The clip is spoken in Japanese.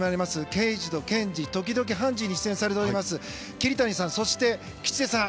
「ケイジとケンジ、時々ハンジ。」に出演されています桐谷さん、そして吉瀬さん